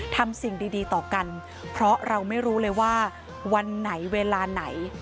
ทำสิ่งดีต่อกันเพราะเราไม่รู้เลยว่าวันไหนเวลาไหน